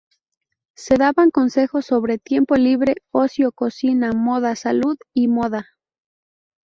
Se daban consejos sobre tiempo libre, ocio, cocina, moda, salud y moda.